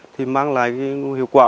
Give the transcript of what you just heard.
thì mang lại hiệu quả